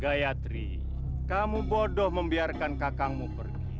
gayatri kamu bodoh membiarkan kakakmu pergi